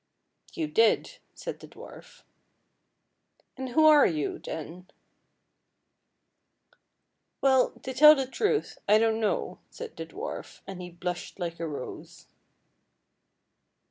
"" You did," said the dwarf. " And who are you, then? " PRINCESS AND DWARF 155 " Well, to tell the truth, I don't know," said the dwarf, and he blushed like a rose.